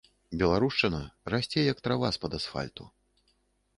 Беларушчына расце як трава з-пад асфальту.